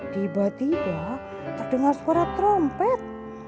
tiba tiba terdengar suara trompet